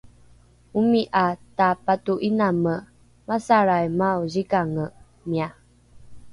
omi’a tapato’iname “masalraimao zikange” mia